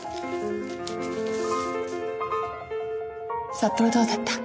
札幌どうだった？